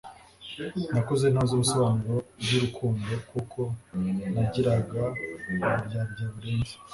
nakuze ntazi ubusobanuro by'urukundo kuko nagiraga uburyarya burenze